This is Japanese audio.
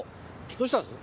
どうしたんです？